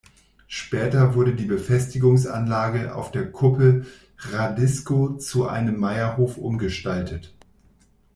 Später wurde die Befestigungsanlage auf der Kuppe Hradisko zu einem Meierhof umgestaltet.